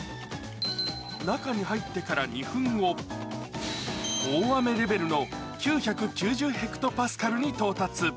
中に入ってから２分後、大雨レベルの９９０ヘクトパスカルに到達。